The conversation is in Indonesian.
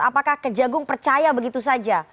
apakah kejagung percaya begitu saja